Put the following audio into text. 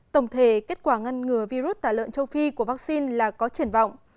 tổng thể kết quả ngăn ngừa virus tả lợn châu phi của vaccine là có triển vọng